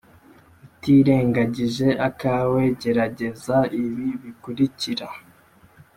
Utirengagije akawe gerageza ibi bikurikira